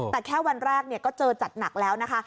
แต่แค่วันแรกก็เจอจัดหนักแล้วนะคะ